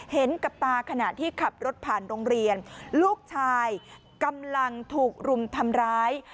เห็นกับตาขณะที่ขับรถผ่านโรงเรียนลูกชายกำลังถูกรุมทำร้าย